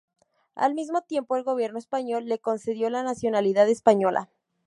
Al mismo tiempo el gobierno español le concedió la nacionalidad española.